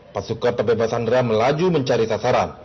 pasukan pembebasan sandera melaju mencari sasaran